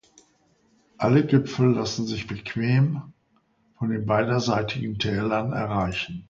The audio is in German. Alle Gipfel lassen sich bequem von den beiderseitigen Tälern erreichen.